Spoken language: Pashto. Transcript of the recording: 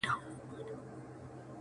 د کيف د ساز آواز په اهتزاز راځي جانانه-